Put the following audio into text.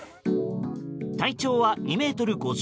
体長は２ｍ５５ｃｍ。